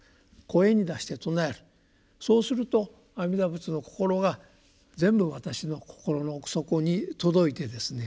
声に出して称えるそうすると阿弥陀仏の心が全部私の心の奥底に届いてですね